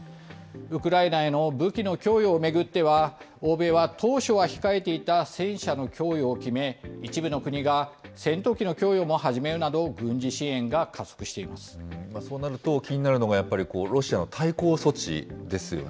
ウクライナへの武器の供与を巡っては、欧米は当初は控えていた戦車の供与を決め、一部の国が戦闘機の供与も始めるなど、軍事支援そうなると、気になるのがやっぱりロシアの対抗措置ですよね。